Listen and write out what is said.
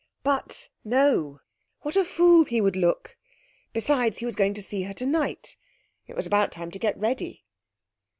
But no what a fool he would look! Besides he was going to see her tonight. It was about time to get ready....